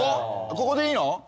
ここでいいの？